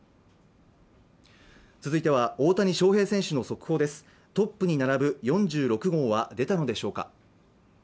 続いては、大谷翔平選手の速報ですトップに並ぶ４６号は出たのでしょうか。